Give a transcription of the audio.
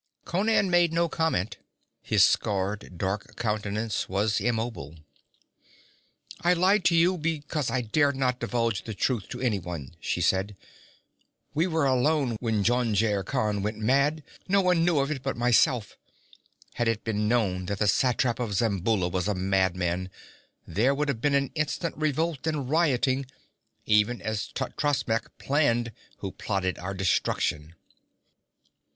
Conan made no comment; his scarred dark countenance was immobile. 'I lied to you because I dared not divulge the truth to anyone,' she said. 'We were alone when Jungir Khan went mad. None knew of it but myself. Had it been known that the satrap of Zamboula was a madman, there would have been instant revolt and rioting, even as Totrasmek planned, who plotted our destruction.